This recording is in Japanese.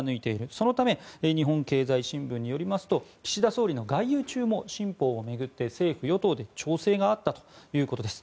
そのため日本経済新聞によりますと岸田総理の外遊中も新法を巡って政府・与党で調整があったということです。